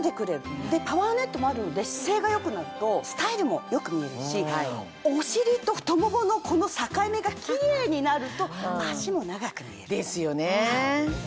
でパワーネットもあるので姿勢が良くなるとスタイルも良くみえるしお尻と太もものこの境目がキレイになると脚も長く見える。ですよね！